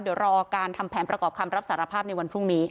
เดี๋ยวรอการทำแผนประกอบคำรับสารภาพในวันพรุ่งนี้